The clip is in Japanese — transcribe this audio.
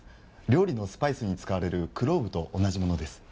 料理のスパイスに使われるクローブと同じものです。